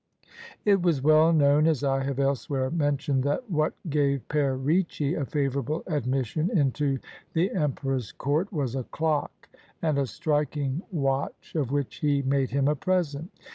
It was well known, as I have elsewhere mentioned, that what gave Pere Ricci a favorable admission into the emperor's court was a clock and a striking watch of 159 CHINA which he made him a present.